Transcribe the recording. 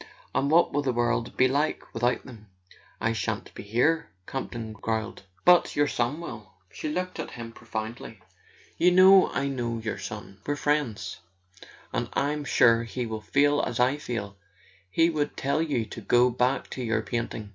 And what will the world be like with¬ out them?" "I shan't be here," Campton growled. [ 225 ] A SON AT THE FRONT "But your son will." She looked at him profoundly. "You know I know your son—we're friends. And I'm sure he would feel as I feel—he would tell you to go back to your painting."